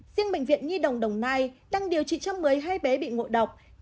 riêng bệnh viện nhi đồng đồng nai đang điều trị một trăm một mươi hai bé bị ngộ độc